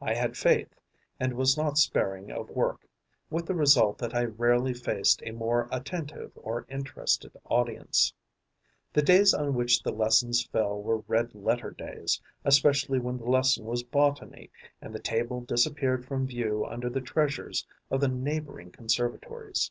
I had faith and was not sparing of work, with the result that I rarely faced a more attentive or interested audience. The days on which the lessons fell were red letter days, especially when the lesson was botany and the table disappeared from view under the treasures of the neighbouring conservatories.